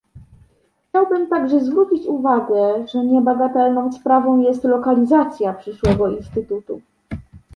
Chciałbym także zwrócić uwagę, że niebagatelną sprawą jest lokalizacja przyszłego Instytutu